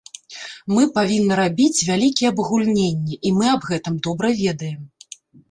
Мы павінны рабіць вялікія абагульненні, і мы аб гэтым добра ведаем.